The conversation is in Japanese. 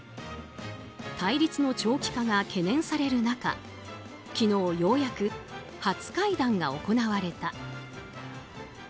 対立の長期化が懸念される中昨日、ようやく初会談が行われた。